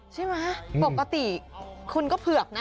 ใช่ไหมปกติคุณก็เผือกนะ